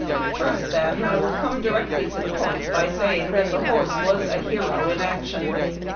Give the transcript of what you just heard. First, then, I will come directl}^ to the point by saying that the horse was a hero in action.